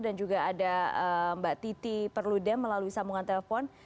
juga ada mbak titi perludem melalui sambungan telepon